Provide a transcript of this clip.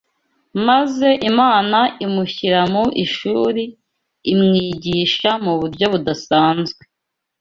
maze Imana imushyira mu ishuri, imwigisha mu buryo budasanzwe.